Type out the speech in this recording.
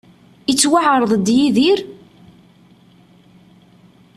Ittwaεreḍ-d Yidir?